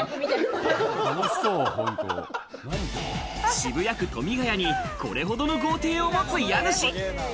渋谷区富ヶ谷にこれほどの豪邸を持つ家主。